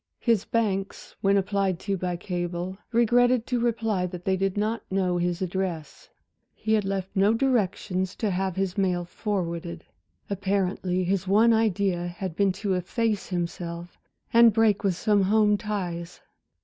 His banks when applied to by cable, regretted to reply that they did not know his address. He had left no directions to have his mail forwarded. Apparently his one idea had been to efface himself and break with some home ties.